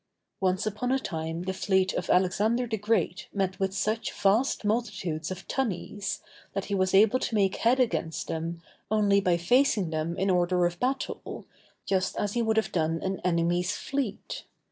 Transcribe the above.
Once upon a time the fleet of Alexander the Great met with such vast multitudes of tunnies, that he was able to make head against them only by facing them in order of battle, just as he would have done an enemy's fleet.